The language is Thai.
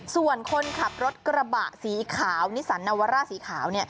ส่วนคนขับรถกระบะสีขาวนิสันนาวาร่าสีขาว